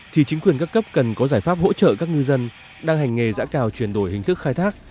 thì chính quyền các cấp cần có giải pháp hỗ trợ các ngư dân đang hành nghề giã cào chuyển đổi hình thức khai thác